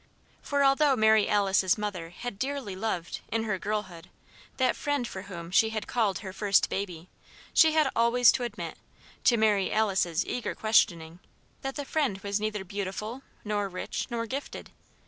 For although Mary Alice's mother had dearly loved, in her girlhood, that friend for whom she had called her first baby, she had always to admit, to Mary Alice's eager questioning, that the friend was neither beautiful nor rich nor gifted.